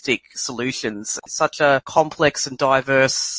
konsep yang sangat kompleks dan beragam